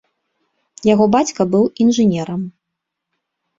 Яго бацька быў інжынерам.